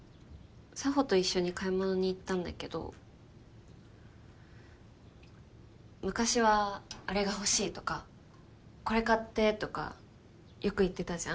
佐帆と一緒に買い物に行ったんだけど昔はあれが欲しいとかこれ買ってとかよく言ってたじゃん。